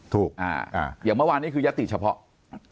อย่างเมื่อวานนี้คือยติเฉพาะ